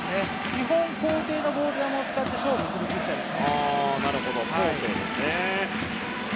基本的に高低のボール球を使って勝負するピッチャーです。